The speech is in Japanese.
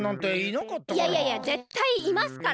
いやいやぜったいいますから。